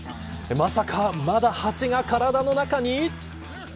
まさか、まだハチが体の中に。